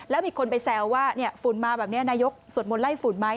แล้วมีคนไปแซวว่าฝุ่นมาแบบนี้นายกสวดมนต์ไล่ฝุ่นไหม